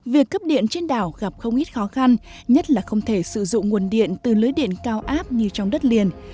việc cấp điện trên đảo gặp không ít khó khăn nhất là không thể sử dụng nguồn điện từ lưới điện cao áp như trong đất liền